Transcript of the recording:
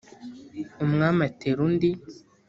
Umwami atera undi